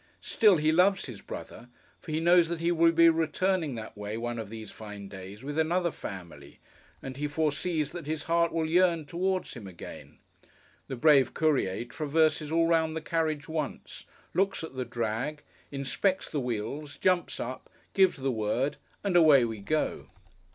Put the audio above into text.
Still, he loves his brother; for he knows that he will be returning that way, one of these fine days, with another family, and he foresees that his heart will yearn towards him again. The brave Courier traverses all round the carriage once, looks at the drag, inspects the wheels, jumps up, gives the word, and away we go!